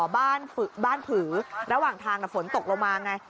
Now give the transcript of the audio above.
บ้านผือระหว่างทางฝนตกลงมาไง